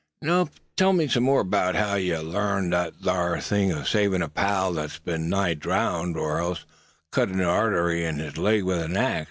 "Now tell me some more 'bout how yuh larn thet thar thing o' savin' a pal thet's been nigh drownded, or else cut a artery in his leg with a ax.